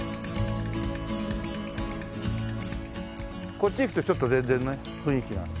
こっち行くとちょっと全然ね雰囲気が。